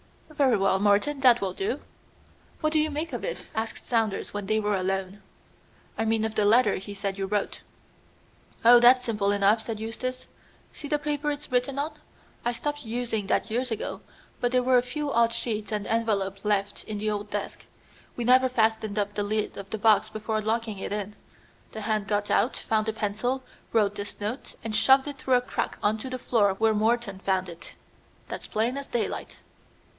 "Very well, Morton, that will do." "What do you make of it?" asked Saunders when they were alone. "I mean of the letter he said you wrote." "Oh, that's simple enough," said Eustace. "See the paper it's written on? I stopped using that years ago, but there were a few odd sheets and envelopes left in the old desk. We never fastened up the lid of the box before locking it in. The hand got out, found a pencil, wrote this note, and shoved it through a crack on to the floor where Morton found it. That's plain as daylight."